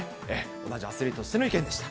同じアスリートとしての意見でした。